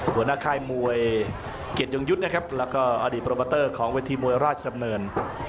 หัวหน้าค่ายมวยเกียรติยงยุทธ์นะครับแล้วก็อดีตโปรโมเตอร์ของเวทีมวยราชดำเนิน